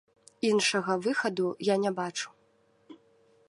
Іншага выхаду я не бачу.